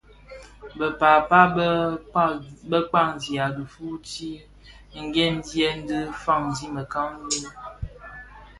Bë pääpa bë kpaňzigha tifuu ti ghemzyèn dhi faňzi mekangi.